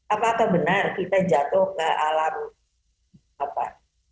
apakah benar kita jatuh ke alam apa